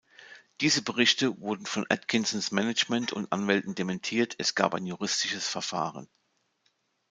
Diese Berichte wurden von Atkinsons Management und Anwälten dementiert, es gab ein juristisches Verfahren.